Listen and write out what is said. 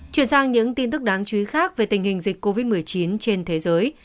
chuyển sang những tin tức đáng chú ý khác về tình hình dịch covid một mươi chín trên thế giới